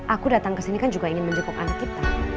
aku datang ke sini kan juga ingin menjenguk anak kita